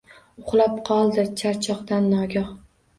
Uxlab qoldi charchoqdan nogoh.